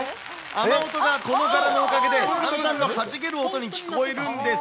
雨音がこの柄のおかげで炭酸がはじける音に聞こえるんです。